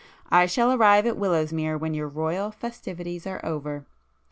I shall arrive at Willowsmere when your 'royal' festivities are over.